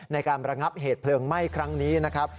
ในการระงับเหตุเพลิงไหม้ครั้งนี้นะครับ